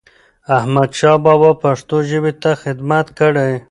احمدشاه بابا پښتو ژبې ته خدمت کړی.